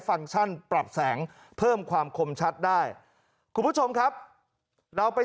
ฟังก์ชั่นปรับแสงเพิ่มความคมชัดได้คุณผู้ชมครับเราไป